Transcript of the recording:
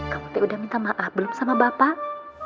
kamu tuh udah minta maaf belum sama bapak